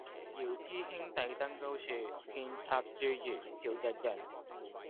遙知兄弟登高處，遍插茱萸少一人。